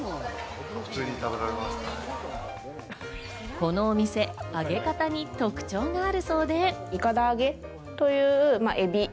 このお店、揚げ方に特徴があるそうで。